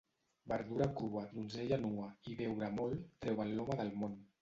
Verdura crua, donzella nua i beure molt treuen l'home del món.